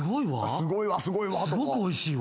すごくおいしいわ。